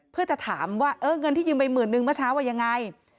เพื่อจะถามว่าเออเงินที่ยืมไปหมื่นนึงเมื่อเช้าว่ายังไง